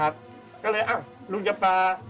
ก็เลยอ้าวลุงจะป่า